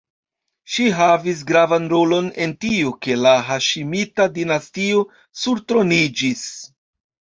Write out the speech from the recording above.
Ŝi havis gravan rolon en tiu, ke la Haŝimita-dinastio surtroniĝis.